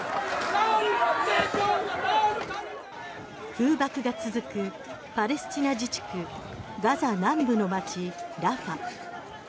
空爆が続くパレスチナ自治区ガザ南部の街ラファ。